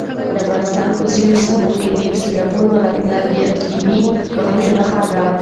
د افغانستان په ځینو سیمو کې د سېلابونو راتلل د اقلیمي بدلون نښه ده.